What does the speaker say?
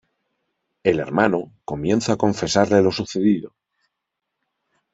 El hermano comienza a confesarle lo sucedido.